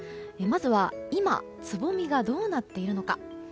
まずは今つぼみがどうなっているのか。